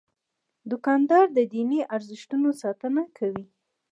دوکاندار د دیني ارزښتونو ساتنه کوي.